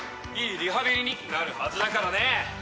いいリハビリになるはずだからね。